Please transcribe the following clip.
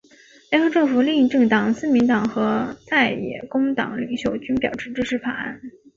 联合政府另一政党自民党和在野工党领袖均表示支持法案。